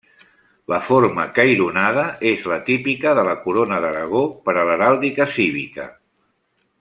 La forma caironada és la típica de la Corona d'Aragó per a l'heràldica cívica.